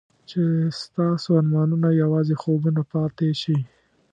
چې ستاسو ارمانونه یوازې خوبونه پاتې شي.